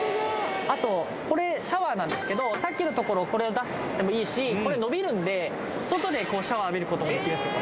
あとこれシャワーなんですけどさっきのところこれを出してもいいしこれ伸びるんで外でこうシャワー浴びることもできるんですよ